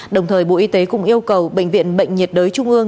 đồng thời bộ y tế cũng yêu cầu bệnh viện bệnh nhiệt đới trung ương